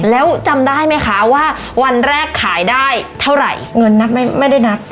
แล้วจำได้ไหมคะว่าวันแรกขายได้เท่าไหร่เงินนัดไม่ได้นับ